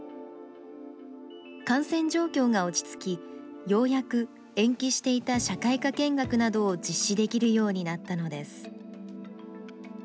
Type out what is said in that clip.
感染状況が落ち着き、ようやく延期していた社会科見学などを実施できるようになったのです。